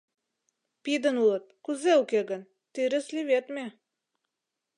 — Пидын улыт, кузе уке гын, тӱрыс леведме.